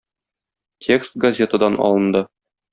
Текст газетадан алынды.